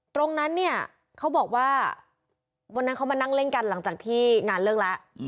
ตรงนั้นเนี่ยเขาบอกว่าวันนั้นเขามานั่งเล่นกันหลังจากที่งานเลิกแล้ว